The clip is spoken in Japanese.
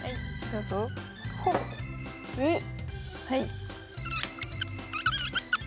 はい。